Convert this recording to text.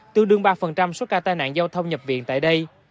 trong số ca tai nạn giao thông nhập viện tại đây